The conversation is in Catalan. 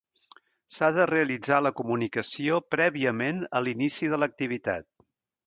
S'ha de realitzar la comunicació prèviament a l'inici de l'activitat.